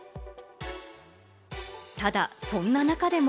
ただ、そんな中でも。